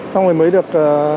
xong rồi mới được